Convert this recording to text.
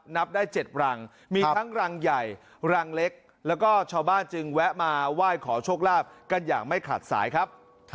นับได้๗รังมีทั้งรังใหญ่รังเล็กแล้วก็ชาวบ้านจึงแวะมาไหว้ขอโชคลาภกันอย่างไม่ขาดสายครับ